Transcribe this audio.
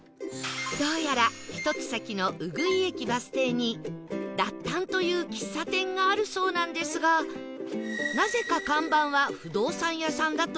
どうやら１つ先の宇久井駅バス停にだったんという喫茶店があるそうなんですがなぜか看板は不動産屋さんだとの事